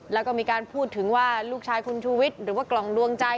แล้วก็มีการพูดถึงว่าลูกชายคุณชูวิทย์หรือว่ากล่องดวงใจ